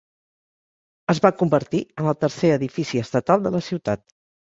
Es va convertir en el tercer edifici estatal de la ciutat.